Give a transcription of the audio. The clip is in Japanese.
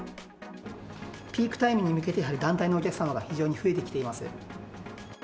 ピークタイムに向けて、やはり、団体のお客様が非常に増えてきています。